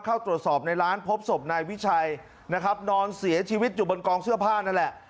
เข้าตรวจสอบในร้านพบศพนายวิชัยนะครับนอนเสียชีวิตอยู่บนกองเสื้อผ้านั่นแหละ